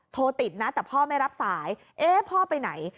โทรติดนะแต่พ่อไม่รับสายเอ๊ะพ่อไปไหน